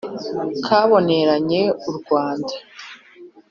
kaboneranye u rwanda